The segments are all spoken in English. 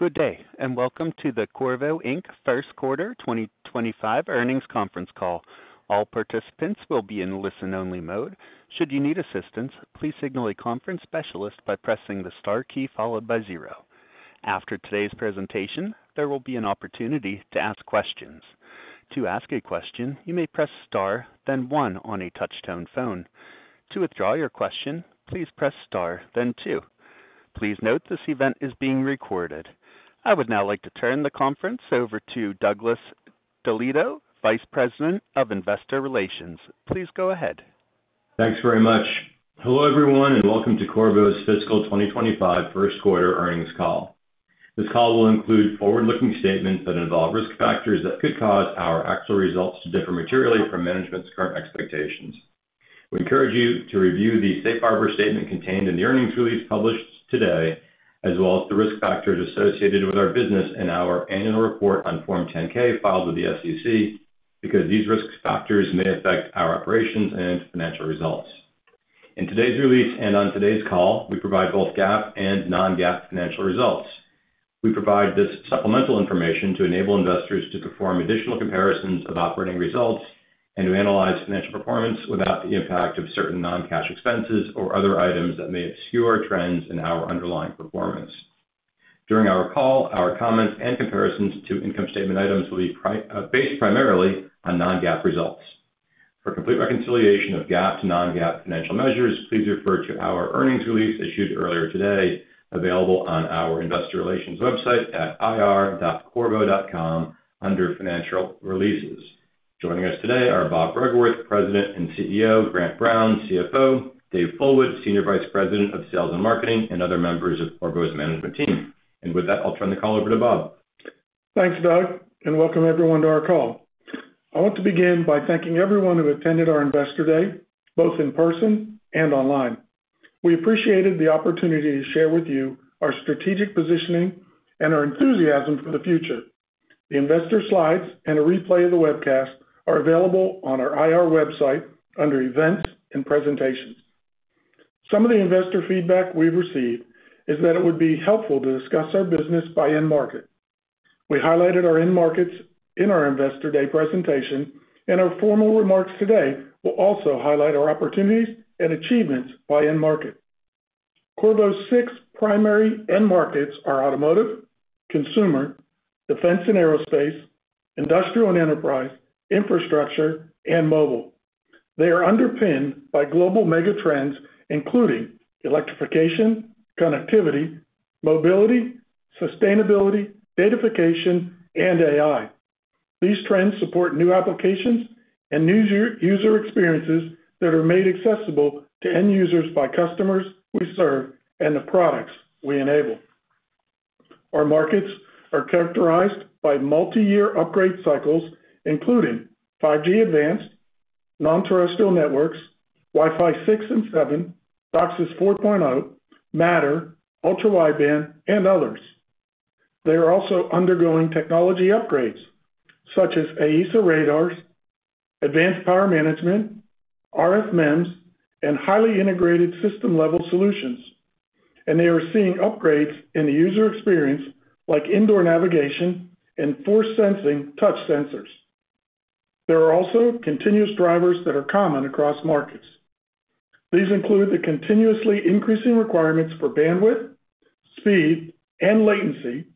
Good day, and welcome to the Qorvo, Inc. Q1 2025 Earnings Conference Call. All participants will be in listen-only mode. Should you need assistance, please signal a conference specialist by pressing the star key followed by zero. After today's presentation, there will be an opportunity to ask questions. To ask a question, you may press star, then one on a touch-tone phone. To withdraw your question, please press star, then two. Please note, this event is being recorded. I would now like to turn the conference over to Douglas DeLieto, Vice President of Investor Relations. Please go ahead. Thanks very much. Hello, everyone, and welcome to Qorvo's fiscal 2025 Q1 earnings call. This call will include forward-looking statements that involve risk factors that could cause our actual results to differ materially from management's current expectations. We encourage you to review the safe harbor statement contained in the earnings release published today, as well as the risk factors associated with our business and our annual report on Form 10-K filed with the SEC, because these risk factors may affect our operations and financial results. In today's release and on today's call, we provide both GAAP and non-GAAP financial results. We provide this supplemental information to enable investors to perform additional comparisons of operating results and to analyze financial performance without the impact of certain non-cash expenses or other items that may obscure trends in our underlying performance. During our call, our comments and comparisons to income statement items will be primarily based on non-GAAP results. For complete reconciliation of GAAP to non-GAAP financial measures, please refer to our earnings release issued earlier today, available on our investor relations website at ir.qorvo.com under Financial Releases. Joining us today are Bob Bruggeworth, President and CEO, Grant Brown, CFO, Dave Fullwood, Senior Vice President of Sales and Marketing, and other members of Qorvo's management team. With that, I'll turn the call over to Bob. Thanks, Doug, and welcome everyone to our call. I want to begin by thanking everyone who attended our Investor Day, both in person and online. We appreciated the opportunity to share with you our strategic positioning and our enthusiasm for the future. The investor slides and a replay of the webcast are available on our IR website under Events and Presentations. Some of the investor feedback we've received is that it would be helpful to discuss our business by end market. We highlighted our end markets in our Investor Day presentation, and our formal remarks today will also highlight our opportunities and achievements by end market. Qorvo's six primary end markets are automotive, consumer, defense and aerospace, industrial and enterprise, infrastructure, and mobile. They are underpinned by global mega trends, including electrification, connectivity, mobility, sustainability, datafication, and AI. These trends support new applications and new user experiences that are made accessible to end users by customers we serve and the products we enable. Our markets are characterized by multiyear upgrade cycles, including 5G Advanced, Non-Terrestrial Networks, Wi-Fi 6 and 7, DOCSIS 4.0, Matter, ultra-wideband, and others. They are also undergoing technology upgrades, such as AESA radars, advanced power management, RF MEMS, and highly integrated system-level solutions. They are seeing upgrades in the user experience, like indoor navigation and force-sensing touch sensors. There are also continuous drivers that are common across markets. These include the continuously increasing requirements for bandwidth, speed, and latency,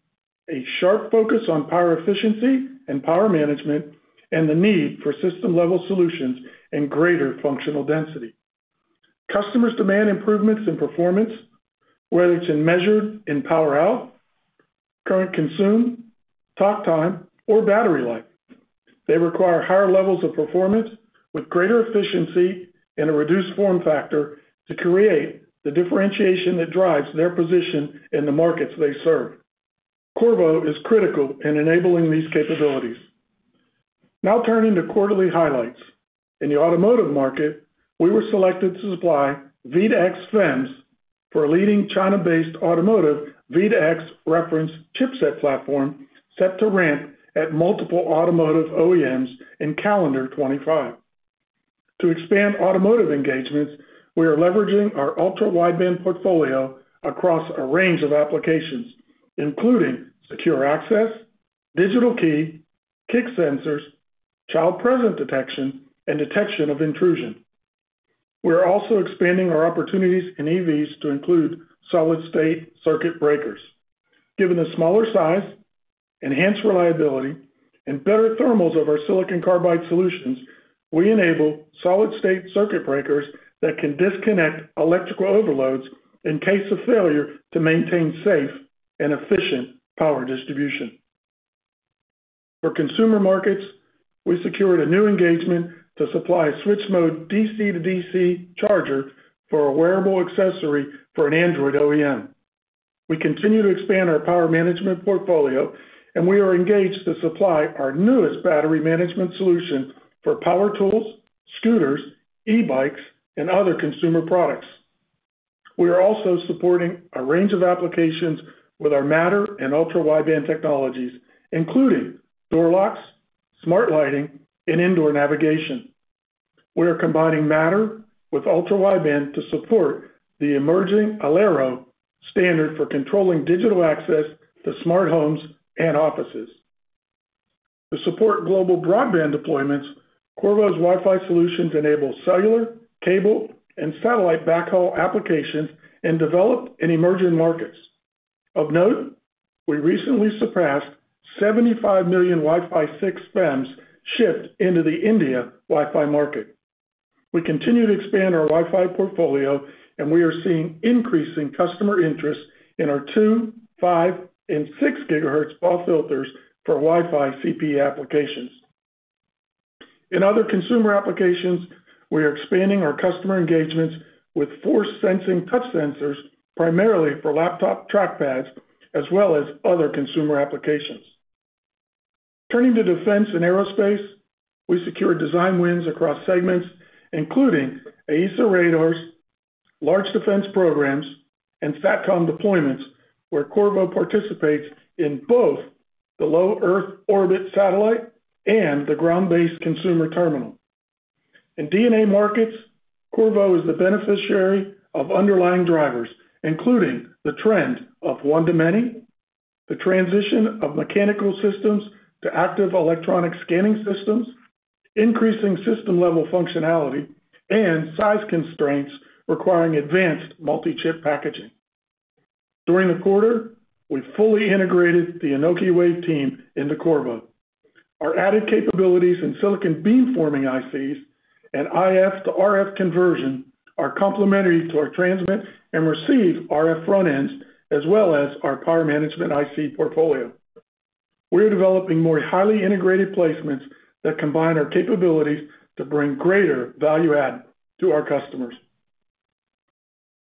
a sharp focus on power efficiency and power management, and the need for system-level solutions and greater functional density. Customers demand improvements in performance, whether it's measured in power out, current consumed, talk time, or battery life. They require higher levels of performance with greater efficiency and a reduced form factor to create the differentiation that drives their position in the markets they serve. Qorvo is critical in enabling these capabilities. Now, turning to quarterly highlights. In the automotive market, we were selected to supply V2X FEMs for a leading China-based automotive V2X reference chipset platform set to ramp at multiple automotive OEMs in calendar 2025. To expand automotive engagements, we are leveraging our ultra-wideband portfolio across a range of applications, including secure access, digital key, kick sensors, child present detection, and detection of intrusion. We are also expanding our opportunities in EVs to include solid-state circuit breakers. Given the smaller size, enhanced reliability, and better thermals of our silicon carbide solutions, we enable solid-state circuit breakers that can disconnect electrical overloads in case of failure to maintain safe and efficient power distribution. For consumer markets, we secured a new engagement to supply switch mode DC to DC charger for a wearable accessory for an Android OEM. We continue to expand our power management portfolio, and we are engaged to supply our newest battery management solution for power tools, scooters, e-bikes, and other consumer products. We are also supporting a range of applications with our Matter and Ultra Wideband technologies, including door locks, smart lighting, and indoor navigation. We are combining Matter with ultra-wideband to support the emerging Aliro standard for controlling digital access to smart homes and offices. To support global broadband deployments, Qorvo's Wi-Fi solutions enable cellular, cable, and satellite backhaul applications in developed and emerging markets. Of note, we recently surpassed 75 million Wi-Fi 6 FEMs shipped into the India Wi-Fi market. We continue to expand our Wi-Fi portfolio, and we are seeing increasing customer interest in our 2, 5, and 6 gigahertz PA filters for Wi-Fi CPE applications. In other consumer applications, we are expanding our customer engagements with force sensing touch sensors, primarily for laptop trackpads, as well as other consumer applications. Turning to defense and aerospace, we secured design wins across segments, including AESA radars, large defense programs, and SATCOM deployments, where Qorvo participates in both the Low Earth Orbit satellite and the ground-based consumer terminal. In DNA markets, Qorvo is the beneficiary of underlying drivers, including the trend of one-to-many, the transition of mechanical systems to active electronic scanning systems, increasing system-level functionality, and size constraints requiring advanced multi-chip packaging. During the quarter, we fully integrated the Anokiwave team into Qorvo. Our added capabilities in silicon beamforming ICs and IF-to-RF conversion are complementary to our transmit and receive RF front ends, as well as our power management IC portfolio. We are developing more highly integrated placements that combine our capabilities to bring greater value add to our customers.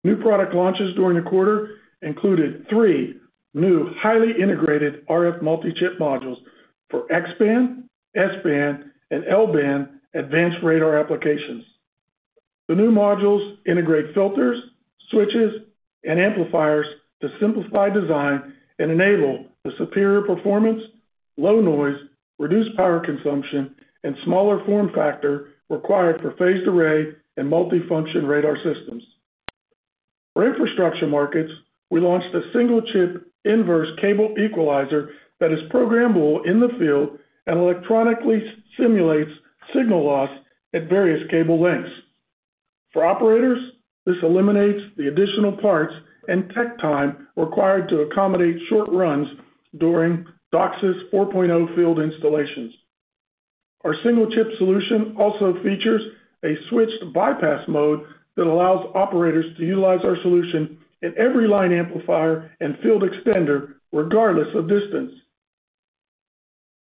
New product launches during the quarter included three new highly integrated RF multi-chip modules for X-band, S-band, and L-band advanced radar applications. The new modules integrate filters, switches, and amplifiers to simplify design and enable the superior performance, low noise, reduced power consumption, and smaller form factor required for phased array and multifunction radar systems. For infrastructure markets, we launched a single-chip inverse cable equalizer that is programmable in the field and electronically simulates signal loss at various cable lengths. For operators, this eliminates the additional parts and tech time required to accommodate short runs during DOCSIS 4.0 field installations. Our single-chip solution also features a switched bypass mode that allows operators to utilize our solution in every line amplifier and field extender, regardless of distance.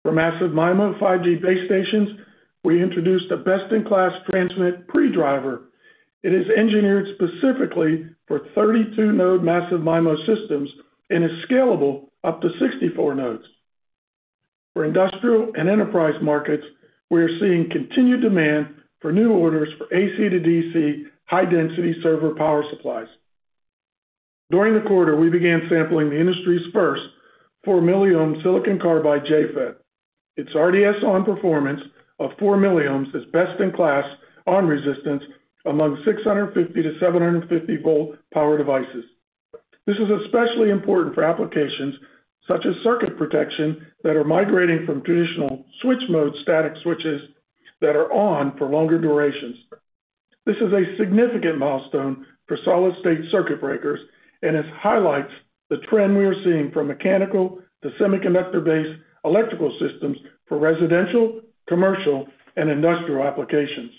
For massive MIMO 5G base stations, we introduced a best-in-class transmit pre-driver. It is engineered specifically for 32-node massive MIMO systems and is scalable up to 64 nodes. For industrial and enterprise markets, we are seeing continued demand for new orders for AC to DC high-density server power supplies. During the quarter, we began sampling the industry's first 4-milliohm silicon carbide JFET. Its RDS-on performance of 4 milliohms is best-in-class on resistance among 650-750-volt power devices. This is especially important for applications such as circuit protection that are migrating from traditional switch mode static switches that are on for longer durations. This is a significant milestone for solid-state circuit breakers, and it highlights the trend we are seeing from mechanical to semiconductor-based electrical systems for residential, commercial, and industrial applications.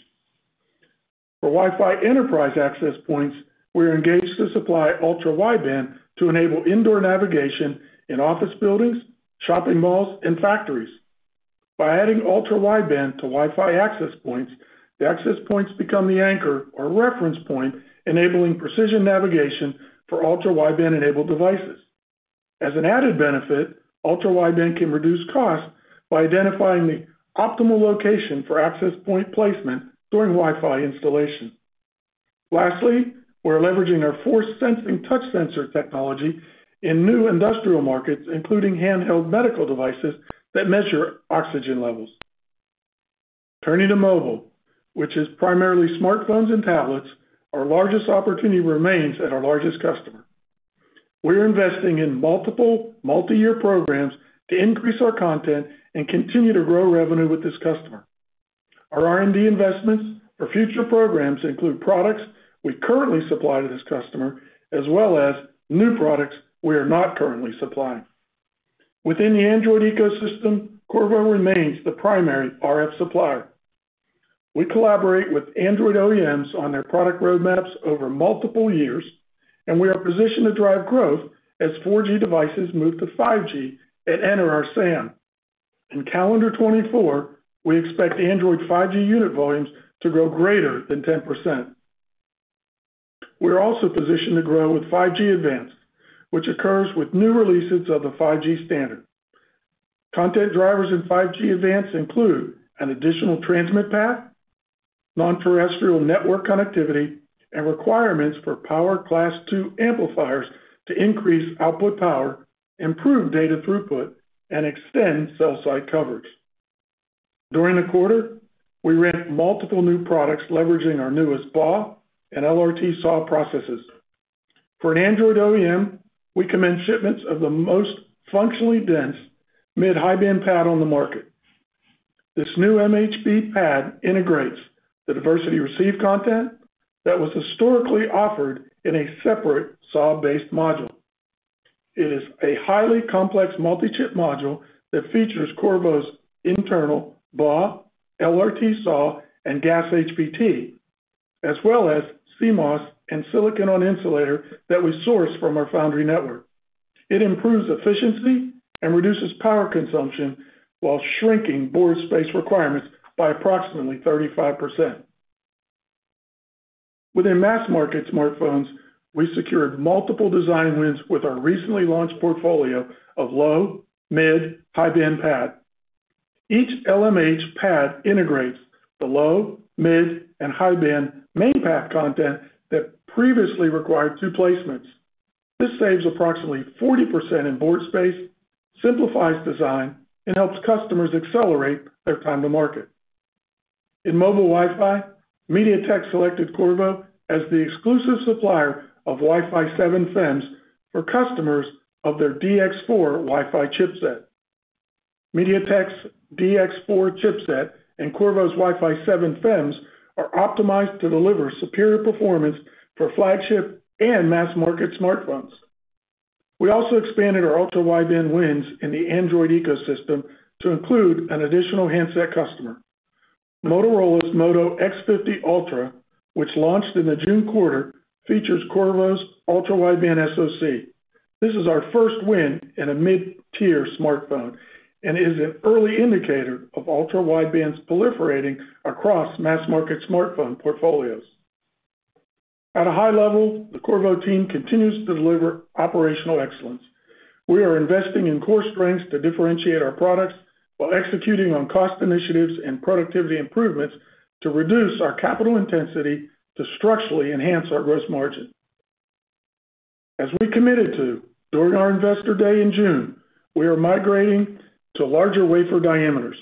For Wi-Fi enterprise access points, we are engaged to supply ultra-wideband to enable indoor navigation in office buildings, shopping malls, and factories. By adding ultra-wideband to Wi-Fi access points, the access points become the anchor or reference point, enabling precision navigation for ultra-wideband-enabled devices. As an added benefit, ultra-wideband can reduce cost by identifying the optimal location for access point placement during Wi-Fi installation. Lastly, we're leveraging our force sensing touch sensor technology in new industrial markets, including handheld medical devices that measure oxygen levels. Turning to mobile, which is primarily smartphones and tablets, our largest opportunity remains at our largest customer. We are investing in multiple multiyear programs to increase our content and continue to grow revenue with this customer. Our R&D investments for future programs include products we currently supply to this customer, as well as new products we are not currently supplying. Within the Android ecosystem, Qorvo remains the primary RF supplier. We collaborate with Android OEMs on their product roadmaps over multiple years, and we are positioned to drive growth as 4G devices move to 5G and enter our SAM. In calendar 2024, we expect Android 5G unit volumes to grow greater than 10%. We are also positioned to grow with 5G Advanced, which occurs with new releases of the 5G standard. Content drivers in 5G Advanced include an additional transmit path, non-terrestrial network connectivity, and requirements for Power Class 2 amplifiers to increase output power, improve data throughput, and extend cell site coverage. During the quarter, we ran multiple new products leveraging our newest BAW and LRT SAW processes. For an Android OEM, we commenced shipments of the most functionally dense mid-high-band PAD on the market. This new MHB PAD integrates the diversity receive content that was historically offered in a separate SAW-based module. It is a highly complex multi-chip module that features Qorvo's internal BAW, LRT SAW, and GaAs HBT, as well as CMOS and silicon-on-insulator that we source from our foundry network. It improves efficiency and reduces power consumption, while shrinking board space requirements by approximately 35%. Within mass-market smartphones, we secured multiple design wins with our recently launched portfolio of low, mid, high-band PAD. Each LMH PAD integrates the low, mid, and high-band main PAD content that previously required two placements. This saves approximately 40% in board space, simplifies design, and helps customers accelerate their time to market. In mobile Wi-Fi, MediaTek selected Qorvo as the exclusive supplier of Wi-Fi 7 FEMs for customers of their DX4 Wi-Fi chipset. MediaTek's DX4 chipset and Qorvo's Wi-Fi 7 FEMs are optimized to deliver superior performance for flagship and mass-market smartphones. We also expanded our ultra-wideband wins in the Android ecosystem to include an additional handset customer. Motorola's Moto X50 Ultra, which launched in the June quarter, features Qorvo's ultra-wideband SoC. This is our first win in a mid-tier smartphone and is an early indicator of ultra-wideband's proliferating across mass-market smartphone portfolios. At a high level, the Qorvo team continues to deliver operational excellence. We are investing in core strengths to differentiate our products, while executing on cost initiatives and productivity improvements to reduce our capital intensity to structurally enhance our gross margin. As we committed to during our Investor Day in June, we are migrating to larger wafer diameters.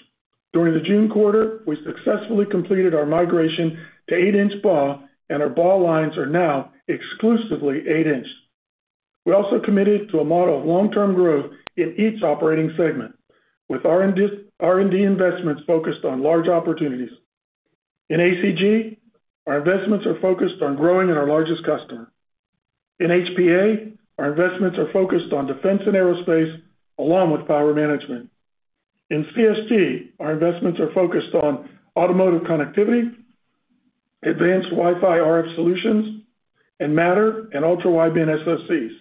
During the June quarter, we successfully completed our migration to 8-inch BAW, and our BAW lines are now exclusively 8-inch. We also committed to a model of long-term growth in each operating segment, with R&D investments focused on large opportunities. In ACG, our investments are focused on growing in our largest customer. In HPA, our investments are focused on defense and aerospace, along with power management. In CST, our investments are focused on automotive connectivity, advanced Wi-Fi RF solutions, and Matter and ultra-wideband SoCs.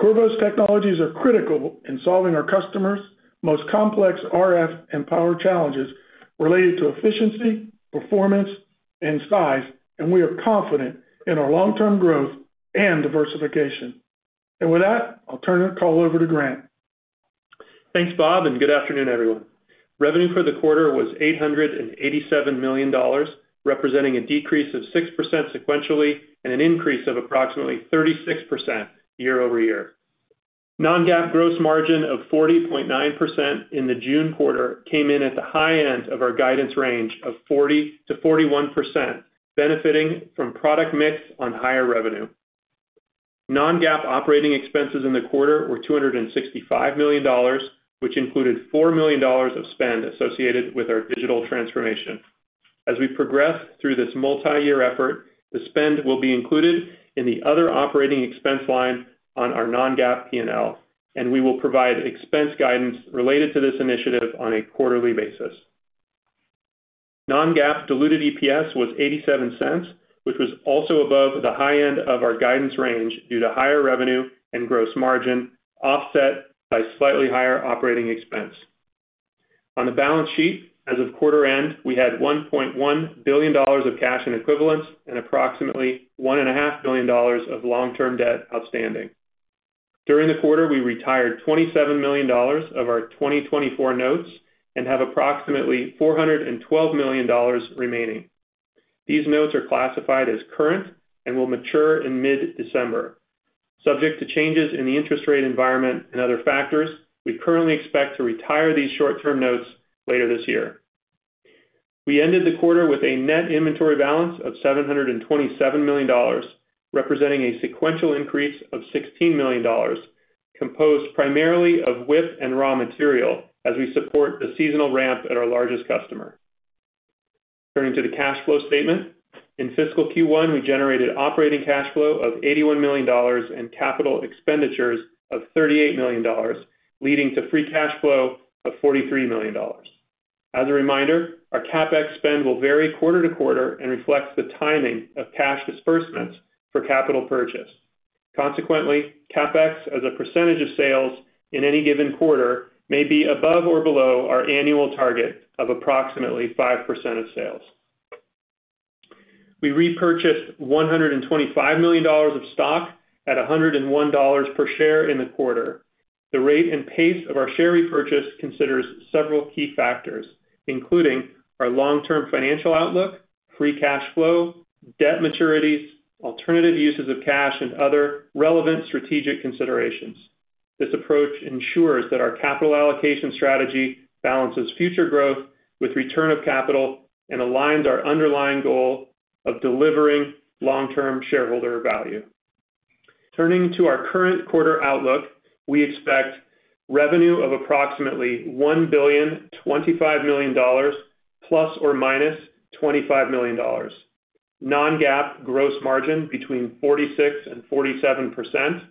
Qorvo's technologies are critical in solving our customers' most complex RF and power challenges related to efficiency, performance, and size, and we are confident in our long-term growth and diversification. With that, I'll turn the call over to Grant. Thanks, Bob, and good afternoon, everyone. Revenue for the quarter was $887 million, representing a decrease of 6% sequentially and an increase of approximately 36% year-over-year. Non-GAAP gross margin of 40.9% in the June quarter came in at the high end of our guidance range of 40%-41%, benefiting from product mix on higher revenue. Non-GAAP operating expenses in the quarter were $265 million, which included $4 million of spend associated with our digital transformation. As we progress through this multiyear effort, the spend will be included in the other operating expense line on our non-GAAP P&L, and we will provide expense guidance related to this initiative on a quarterly basis. Non-GAAP diluted EPS was $0.87, which was also above the high end of our guidance range due to higher revenue and gross margin, offset by slightly higher operating expense. On the balance sheet, as of quarter end, we had $1.1 billion of cash and equivalents and approximately $1.5 billion of long-term debt outstanding. During the quarter, we retired $27 million of our 2024 notes and have approximately $412 million remaining. These notes are classified as current and will mature in mid-December. Subject to changes in the interest rate environment and other factors, we currently expect to retire these short-term notes later this year. We ended the quarter with a net inventory balance of $727 million, representing a sequential increase of $16 million, composed primarily of WIP and raw material, as we support the seasonal ramp at our largest customer. Turning to the cash flow statement, in fiscal Q1, we generated operating cash flow of $81 million and capital expenditures of $38 million, leading to free cash flow of $43 million. As a reminder, our CapEx spend will vary quarter to quarter and reflects the timing of cash disbursements for capital purchase. Consequently, CapEx, as a percentage of sales in any given quarter, may be above or below our annual target of approximately 5% of sales. We repurchased $125 million of stock at $101 per share in the quarter. The rate and pace of our share repurchase considers several key factors, including our long-term financial outlook, free cash flow, debt maturities, alternative uses of cash, and other relevant strategic considerations. This approach ensures that our capital allocation strategy balances future growth with return of capital and aligns our underlying goal of delivering long-term shareholder value. Turning to our current quarter outlook, we expect revenue of approximately $1.025 billion ±$25 million, non-GAAP gross margin between 46% and 47%,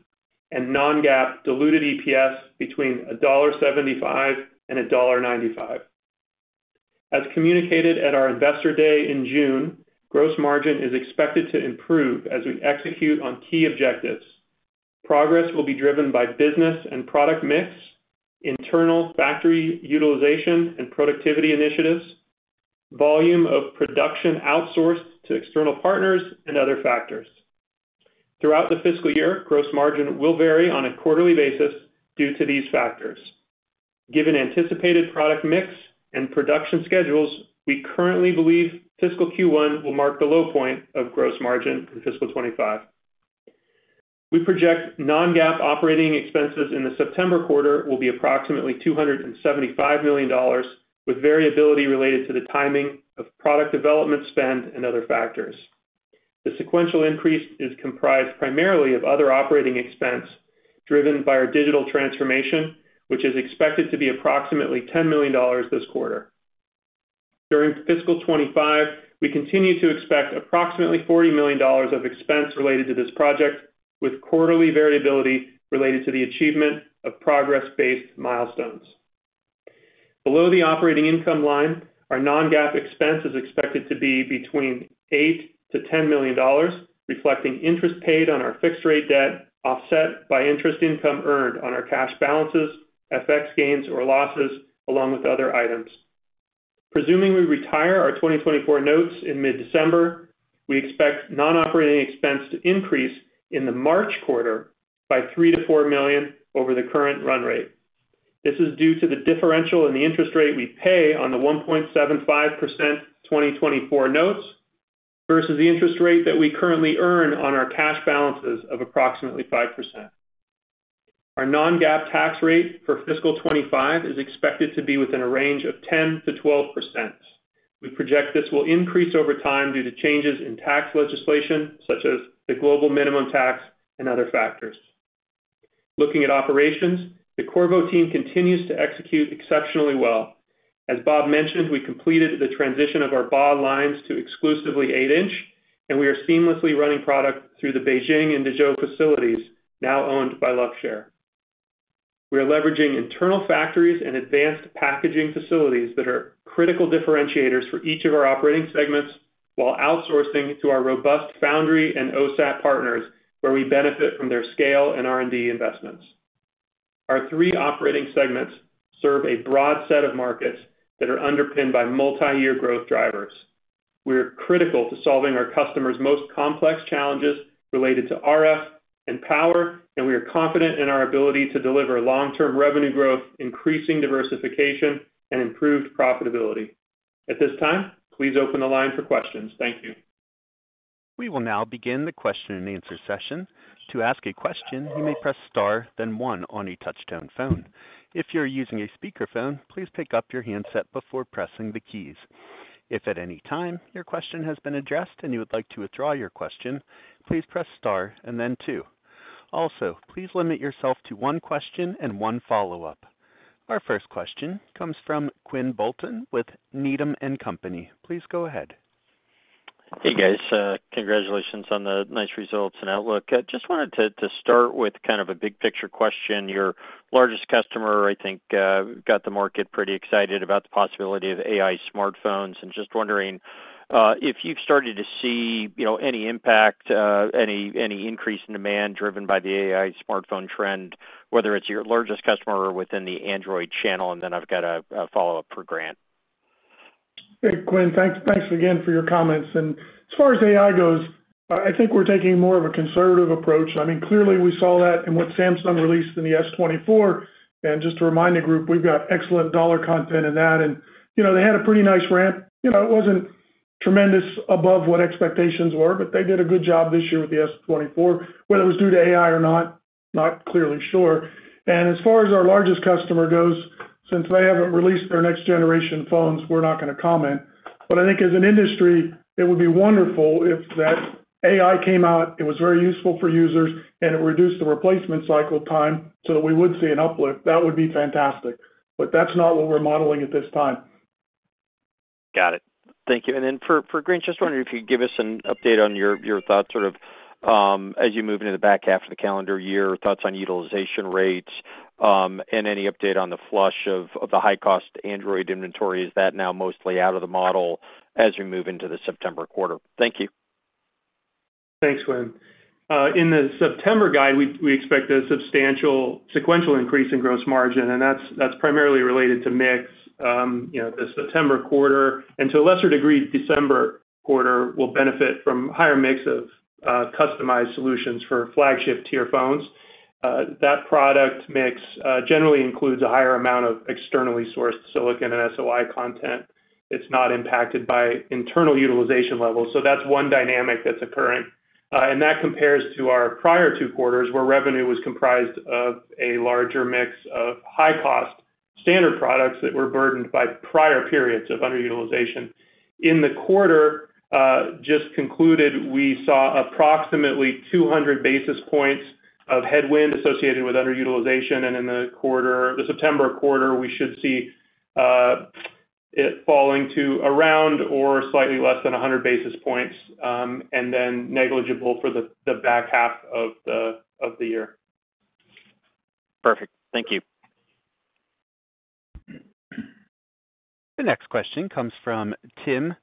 and non-GAAP diluted EPS between $1.75 and $1.95. As communicated at our Investor Day in June, gross margin is expected to improve as we execute on key objectives. Progress will be driven by business and product mix, internal factory utilization and productivity initiatives, volume of production outsourced to external partners, and other factors. Throughout the fiscal year, gross margin will vary on a quarterly basis due to these factors. Given anticipated product mix and production schedules, we currently believe fiscal Q1 will mark the low point of gross margin in fiscal 2025. We project non-GAAP operating expenses in the September quarter will be approximately $275 million, with variability related to the timing of product development spend and other factors. The sequential increase is comprised primarily of other operating expense, driven by our digital transformation, which is expected to be approximately $10 million this quarter. During fiscal 2025, we continue to expect approximately $40 million of expense related to this project, with quarterly variability related to the achievement of progress-based milestones. Below the operating income line, our non-GAAP expense is expected to be between $8 million-$10 million, reflecting interest paid on our fixed rate debt, offset by interest income earned on our cash balances, FX gains or losses, along with other items. Presuming we retire our 2024 notes in mid-December, we expect non-operating expense to increase in the March quarter by $3 million-$4 million over the current run rate. This is due to the differential in the interest rate we pay on the 1.75% 2024 notes, versus the interest rate that we currently earn on our cash balances of approximately 5%. Our non-GAAP tax rate for fiscal 2025 is expected to be within a range of 10%-12%. We project this will increase over time due to changes in tax legislation, such as the global minimum tax and other factors. Looking at operations, the Qorvo team continues to execute exceptionally well. As Bob mentioned, we completed the transition of our BAW lines to exclusively 8-inch, and we are seamlessly running product through the Beijing and Dezhou facilities, now owned by Luxshare. We are leveraging internal factories and advanced packaging facilities that are critical differentiators for each of our operating segments, while outsourcing to our robust foundry and OSAT partners, where we benefit from their scale and R&D investments. Our three operating segments serve a broad set of markets that are underpinned by multi-year growth drivers. We are critical to solving our customers' most complex challenges related to RF and power, and we are confident in our ability to deliver long-term revenue growth, increasing diversification, and improved profitability. At this time, please open the line for questions. Thank you. We will now begin the question-and-answer session. To ask a question, you may press star, then one on a touchtone phone. If you're using a speakerphone, please pick up your handset before pressing the keys. If at any time your question has been addressed and you would like to withdraw your question, please press star and then two. Also, please limit yourself to one question and one follow-up. Our first question comes from Quinn Bolton with Needham & Company. Please go ahead. Hey, guys, congratulations on the nice results and outlook. I just wanted to start with kind of a big picture question. Your largest customer, I think, got the market pretty excited about the possibility of AI smartphones, and just wondering if you've started to see, you know, any impact, any increase in demand driven by the AI smartphone trend, whether it's your largest customer or within the Android channel, and then I've got a follow-up for Grant. Hey, Quinn, thanks, thanks again for your comments. And as far as AI goes, I, I think we're taking more of a conservative approach. I mean, clearly, we saw that in what Samsung released in the S24. And just to remind the group, we've got excellent dollar content in that, and you know, they had a pretty nice ramp. You know, it wasn't tremendous above what expectations were, but they did a good job this year with the S24. Whether it was due to AI or not, not clearly sure. And as far as our largest customer goes, since they haven't released their next generation phones, we're not gonna comment. But I think as an industry, it would be wonderful if that AI came out, it was very useful for users, and it reduced the replacement cycle time so that we would see an uplift. That would be fantastic, but that's not what we're modeling at this time. Got it. Thank you. And then for Grant, just wondering if you could give us an update on your thoughts, sort of, as you move into the back half of the calendar year, thoughts on utilization rates, and any update on the flush of the high-cost Android inventory. Is that now mostly out of the model as we move into the September quarter? Thank you. Thanks, Quinn. In the September guide, we expect a substantial sequential increase in gross margin, and that's primarily related to mix. You know, the September quarter, and to a lesser degree, December quarter, will benefit from higher mix of customized solutions for flagship tier phones. That product mix generally includes a higher amount of externally sourced silicon and SOI content. It's not impacted by internal utilization levels, so that's one dynamic that's occurring. And that compares to our prior two quarters, where revenue was comprised of a larger mix of high-cost standard products that were burdened by prior periods of underutilization. In the quarter just concluded, we saw approximately 200 basis points of headwind associated with underutilization, and in the quarter, the September quarter, we should see it falling to around or slightly less than 100 basis points, and then negligible for the back half of the year. Perfect. Thank you. The next question comes from Tim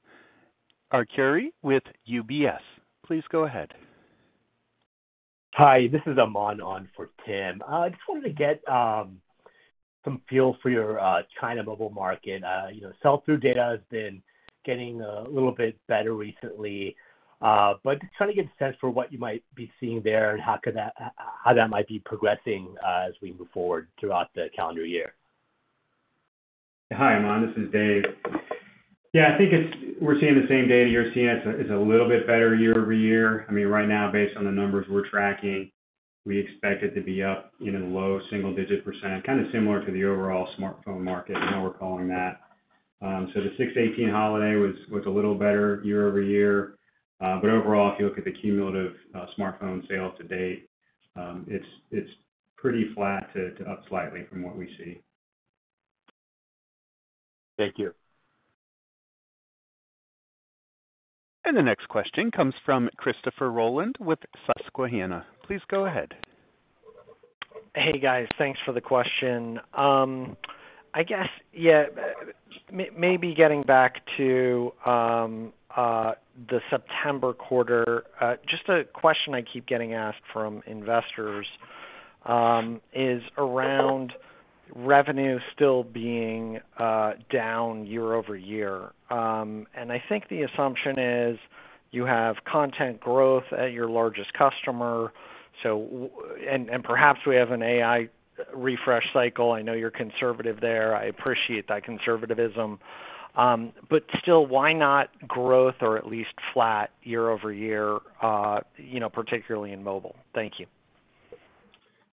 Arcuri with UBS. Please go ahead. Hi, this is Aman on for Tim. I just wanted to get some feel for your China mobile market. You know, sell-through data has been getting a little bit better recently, but just trying to get a sense for what you might be seeing there and how that might be progressing, as we move forward throughout the calendar year. Hi, Aman, this is Dave. Yeah, I think it's-- we're seeing the same data you're seeing. It's a little bit better year-over-year. I mean, right now, based on the numbers we're tracking, we expect it to be up in a low single-digit %, kind of similar to the overall smartphone market, how we're calling that. So the 618 holiday was a little better year-over-year. But overall, if you look at the cumulative smartphone sales to date, it's pretty flat to up slightly from what we see. Thank you. The next question comes from Christopher Rolland with Susquehanna. Please go ahead. Hey, guys. Thanks for the question. I guess, yeah, maybe getting back to the September quarter, just a question I keep getting asked from investors is around revenue still being down year-over-year. I think the assumption is you have content growth at your largest customer, so and, and perhaps we have an AI refresh cycle. I know you're conservative there. I appreciate that conservativism. But still, why not growth or at least flat year-over-year, you know, particularly in mobile? Thank you.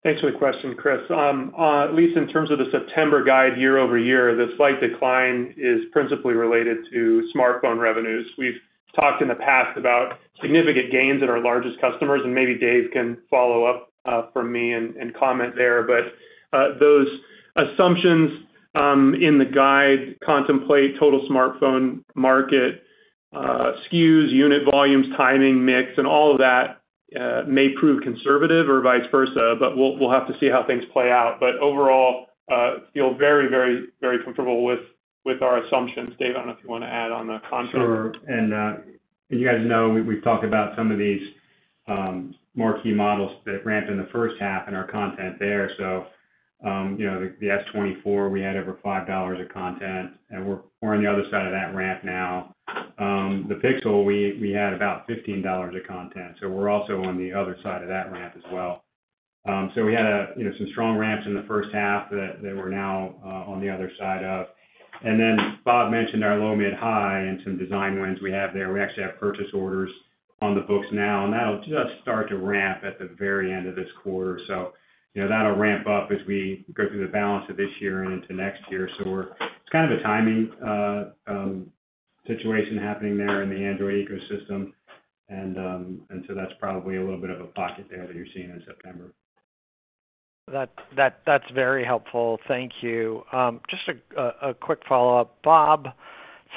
Thanks for the question, Chris. At least in terms of the September guide year over year, the slight decline is principally related to smartphone revenues. We've talked in the past about significant gains at our largest customers, and maybe Dave can follow up for me and comment there. But those assumptions in the guide contemplate total smartphone market SKUs, unit volumes, timing, mix, and all of that may prove conservative or vice versa, but we'll have to see how things play out. But overall, feel very, very, very comfortable with our assumptions. Dave, I don't know if you wanna add on the content. Sure. And, you guys know, we've, we've talked about some of these, more key models that ramped in the first half and our content there. So, you know, the S24, we had over $5 of content, and we're, we're on the other side of that ramp now. The Pixel, we, we had about $15 of content, so we're also on the other side of that ramp as well. So we had a, you know, some strong ramps in the first half that, that we're now, on the other side of. And then Bob mentioned our low, mid, high and some design wins we have there. We actually have purchase orders on the books now, and that'll just start to ramp at the very end of this quarter. So, you know, that'll ramp up as we go through the balance of this year and into next year. So we're, it's kind of a timing situation happening there in the Android ecosystem. And, and so that's probably a little bit of a pocket there that you're seeing in September. That's very helpful. Thank you. Just a quick follow-up. Bob,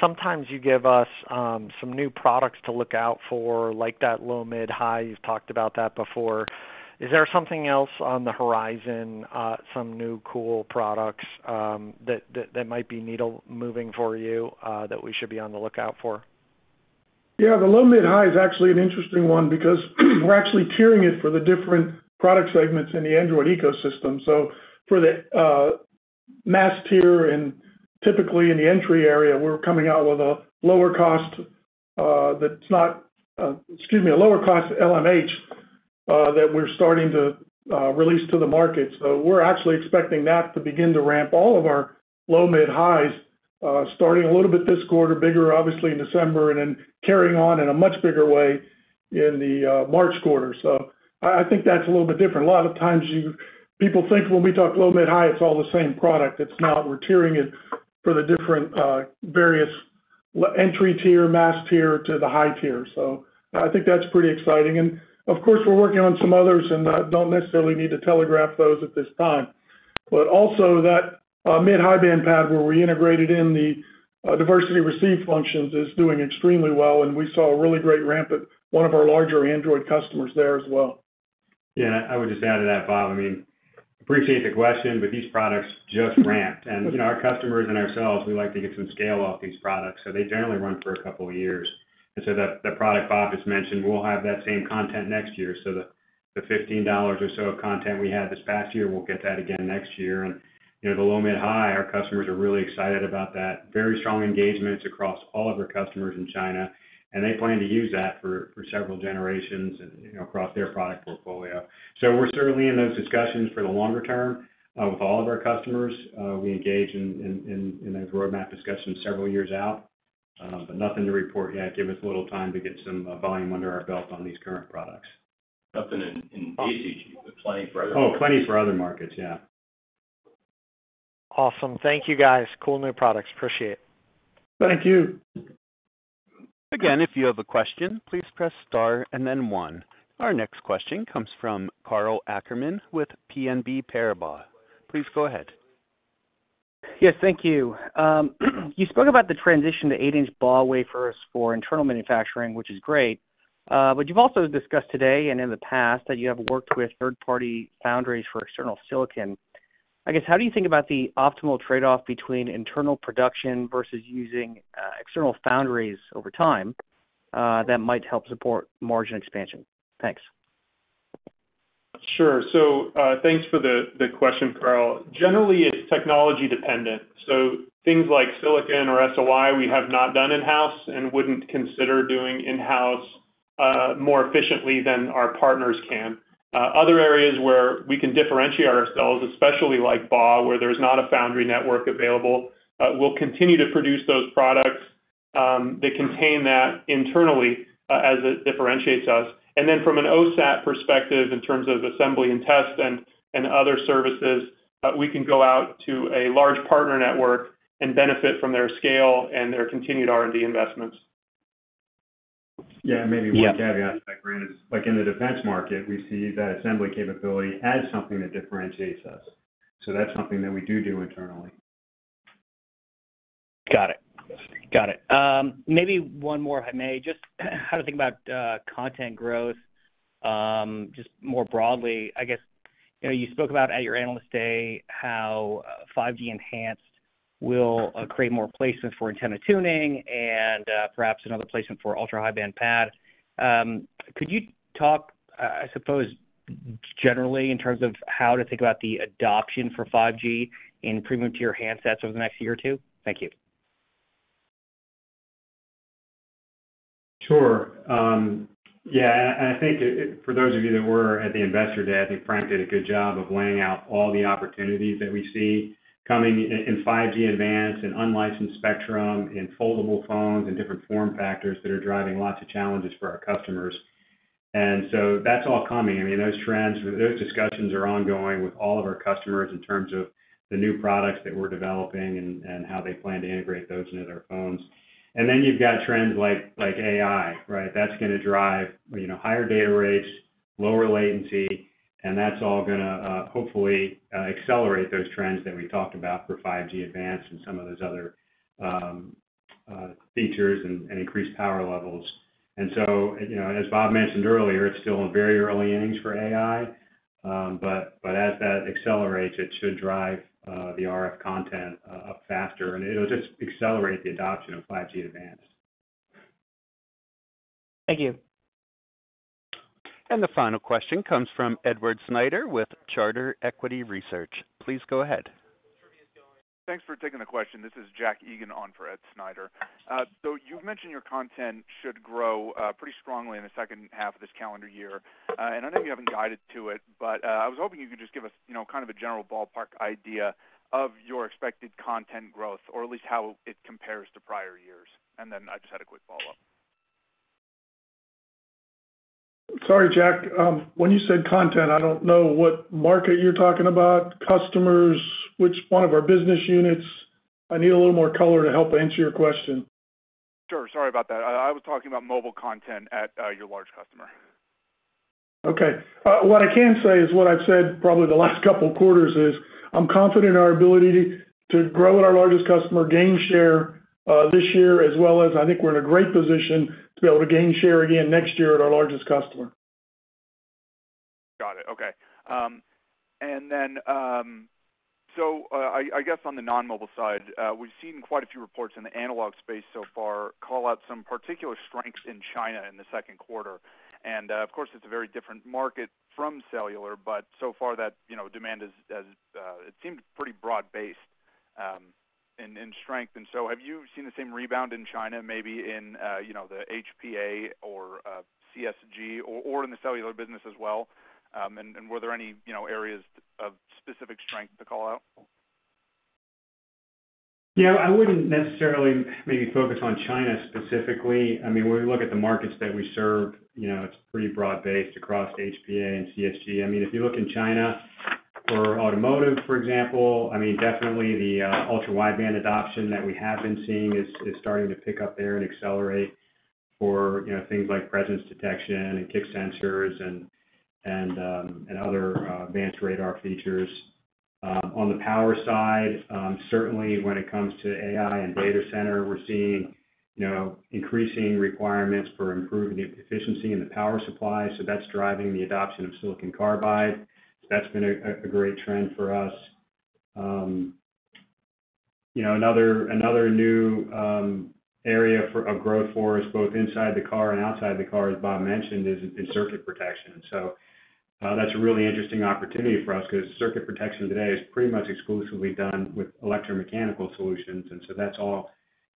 sometimes you give us some new products to look out for, like that low, mid, high. You've talked about that before. Is there something else on the horizon, some new cool products that might be needle moving for you, that we should be on the lookout for? Yeah, the low, mid, high is actually an interesting one because we're actually tiering it for the different product segments in the Android ecosystem. So for the mass tier, and typically in the entry area, we're coming out with a lower cost, excuse me, a lower cost LMH that we're starting to release to the market. So we're actually expecting that to begin to ramp all of our low, mid, highs starting a little bit this quarter, bigger, obviously, in December, and then carrying on in a much bigger way in the March quarter. So I, I think that's a little bit different. A lot of times, you, people think when we talk low, mid, high, it's all the same product. It's not. We're tiering it for the different various entry tier, mass tier, to the high tier. So I think that's pretty exciting. And of course, we're working on some others and, don't necessarily need to telegraph those at this time. But also that mid-high-band PAD, where we integrated in the diversity receive functions, is doing extremely well, and we saw a really great ramp at one of our larger Android customers there as well. Yeah, I would just add to that, Bob. I mean, appreciate the question, but these products just ramped, and, you know, our customers and ourselves, we like to get some scale off these products, so they generally run for a couple of years. And so the, the product Bob just mentioned, we'll have that same content next year. So the, the $15 or so of content we had this past year, we'll get that again next year. And, you know, the low, mid, high, our customers are really excited about that. Very strong engagements across all of our customers in China, and they plan to use that for, for several generations and, you know, across their product portfolio. So we're certainly in those discussions for the longer term, with all of our customers. We engage in those roadmap discussions several years out, but nothing to report yet. Give us a little time to get some volume under our belt on these current products. Nothing in ACG, but plenty for other- Oh, plenty for other markets, yeah.... Awesome. Thank you, guys. Cool new products. Appreciate it. Thank you. Again, if you have a question, please press star and then one. Our next question comes from Karl Ackerman with BNP Paribas. Please go ahead. Yes, thank you. You spoke about the transition to 8-inch BAW wafers for internal manufacturing, which is great, but you've also discussed today and in the past, that you have worked with third-party foundries for external silicon. I guess, how do you think about the optimal trade-off between internal production versus using external foundries over time, that might help support margin expansion? Thanks. Sure. So, thanks for the, the question, Karl. Generally, it's technology dependent. So things like silicon or SOI, we have not done in-house and wouldn't consider doing in-house, more efficiently than our partners can. Other areas where we can differentiate ourselves, especially like BAW, where there's not a foundry network available, we'll continue to produce those products, that contain that internally, as it differentiates us. And then, from an OSAT perspective, in terms of assembly and test and, and other services, we can go out to a large partner network and benefit from their scale and their continued R&D investments. Yeah. Yeah, maybe one caveat to that, Frank, is like in the defense market, we see that assembly capability as something that differentiates us. So that's something that we do do internally. Got it. Got it. Maybe one more, if I may, just how to think about content growth, just more broadly. I guess, you know, you spoke about at your Analyst Day, how 5G Advanced will create more placements for antenna tuning and, perhaps another placement for ultra-high band PAD. Could you talk, I suppose, generally, in terms of how to think about the adoption for 5G in premium tier handsets over the next year or two? Thank you. Sure. Yeah, and I think for those of you that were at the Investor Day, I think Frank did a good job of laying out all the opportunities that we see coming in 5G Advanced and unlicensed spectrum, in foldable phones and different form factors that are driving lots of challenges for our customers. And so that's all coming. I mean, those trends, those discussions are ongoing with all of our customers in terms of the new products that we're developing and how they plan to integrate those into their phones. And then you've got trends like AI, right? That's gonna drive, you know, higher data rates, lower latency, and that's all gonna hopefully accelerate those trends that we talked about for 5G Advanced and some of those other features and increased power levels. And so, you know, as Bob mentioned earlier, it's still in very early innings for AI. But as that accelerates, it should drive the RF content up faster, and it'll just accelerate the adoption of 5G Advanced. Thank you. The final question comes from Edward Snyder with Charter Equity Research. Please go ahead. Thanks for taking the question. This is Jack Egan on for Ed Snyder. So you've mentioned your content should grow pretty strongly in the second half of this calendar year. And I know you haven't guided to it, but I was hoping you could just give us, you know, kind of a general ballpark idea of your expected content growth or at least how it compares to prior years. And then, I just had a quick follow-up. Sorry, Jack. When you said content, I don't know what market you're talking about, customers, which one of our business units? I need a little more color to help answer your question. Sure. Sorry about that. I, I was talking about mobile content at your large customer. Okay. What I can say is what I've said probably the last couple of quarters is, I'm confident in our ability to grow at our largest customer gain share, this year, as well as I think we're in a great position to be able to gain share again next year at our largest customer. Got it. Okay. And then, I guess on the non-mobile side, we've seen quite a few reports in the analog space so far call out some particular strengths in China in the Q2. Of course, it's a very different market from cellular, but so far that, you know, demand is, has, it seemed pretty broad-based, in strength. So have you seen the same rebound in China, maybe in, you know, the HPA or, CSG or, in the cellular business as well? And, were there any, you know, areas of specific strength to call out? Yeah, I wouldn't necessarily maybe focus on China specifically. I mean, when we look at the markets that we serve, you know, it's pretty broad-based across HPA and CSG. I mean, if you look in China for automotive, for example, I mean, definitely the ultra-wideband adoption that we have been seeing is starting to pick up there and accelerate for, you know, things like presence detection and kick sensors and other advanced radar features. On the power side, certainly when it comes to AI and data center, we're seeing, you know, increasing requirements for improving the efficiency in the power supply, so that's driving the adoption of silicon carbide. That's been a great trend for us. You know, another new area of growth for us, both inside the car and outside the car, as Bob mentioned, is in circuit protection. So, that's a really interesting opportunity for us, 'cause circuit protection today is pretty much exclusively done with electromechanical solutions, and so that's all,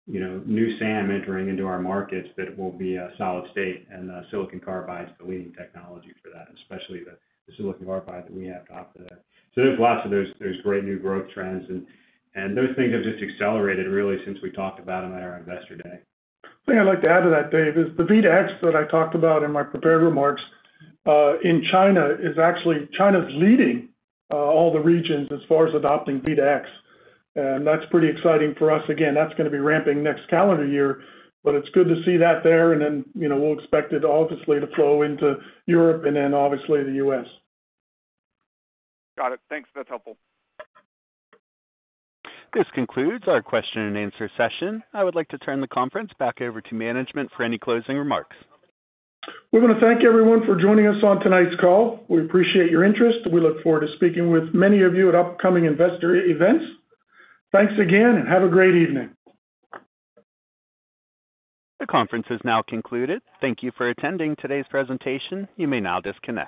you know, new SAM entering into our markets that will be solid state, and silicon carbide is the leading technology for that, especially the silicon carbide that we have top to that. So there's lots of those. There's great new growth trends and those things have just accelerated really since we talked about them at our Investor Day. The thing I'd like to add to that, Dave, is the V2X that I talked about in my prepared remarks, in China, is actually China's leading all the regions as far as adopting V2X, and that's pretty exciting for us. Again, that's gonna be ramping next calendar year, but it's good to see that there and then, you know, we'll expect it obviously to flow into Europe and then obviously the US. Got it. Thanks, that's helpful. This concludes our question and answer session. I would like to turn the conference back over to management for any closing remarks. We wanna thank everyone for joining us on tonight's call. We appreciate your interest. We look forward to speaking with many of you at upcoming investor events. Thanks again, and have a great evening. The conference is now concluded. Thank you for attending today's presentation. You may now disconnect.